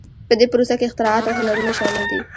په دې پروسه کې اختراعات او هنرونه شامل دي.